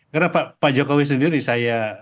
karena pak jokowi sendiri saya